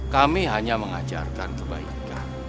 kami hanya mengajarkan kebaikan